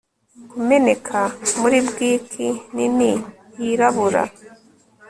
kumeneka. muri buick nini yirabura